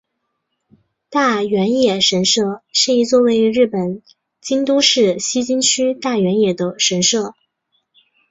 大原野神社是一座位于日本京都市西京区大原野的神社。